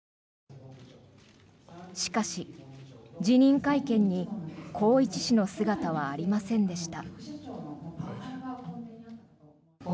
しかし、辞任会見に宏一氏の姿はありませんでした。